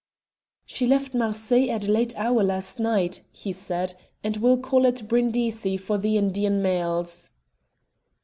"She left Marseilles at a late hour last night," he said, "and will call at Brindisi for the Indian mails."